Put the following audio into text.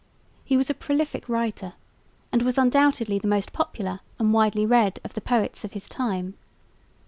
He was a prolific writer and was undoubtedly the most popular and widely read of the poets of his time.